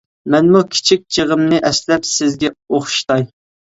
مەنمۇ كىچىك چىغىمنى، ئەسلەپ سىزگە ئوخشىتاي.